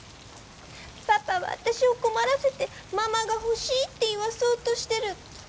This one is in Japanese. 「パパは私を困らせてママが欲しいって言わそうとしてる」って！